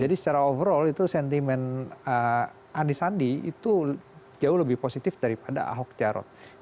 jadi secara overall itu sentimen anisandi itu jauh lebih positif daripada ahok jarot